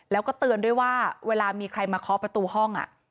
แล้วก็เตือนด้วยว่าเวลามีใครมาเคาะประตูห้อง